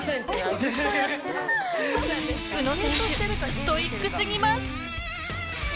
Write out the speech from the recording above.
宇野選手、ストイックすぎます。